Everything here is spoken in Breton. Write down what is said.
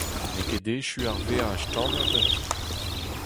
N'eo ket echu ar veaj tamm ebet !